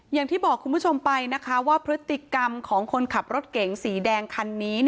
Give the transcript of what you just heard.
อย่างที่บอกคุณผู้ชมไปนะคะว่าพฤติกรรมของคนขับรถเก๋งสีแดงคันนี้